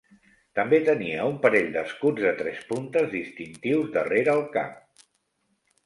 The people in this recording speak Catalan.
També tenia un parell d'escuts de tres puntes distintius darrere el cap.